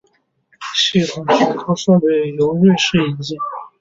系统全套设备由瑞士引进。